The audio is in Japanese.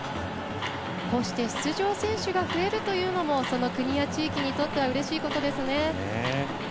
こうして出場選手が増えるというのもその国や地域にとってはうれしいことですね。